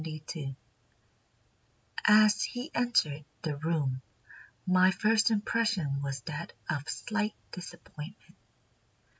] "As he entered the room my first impression was that of slight disappointment.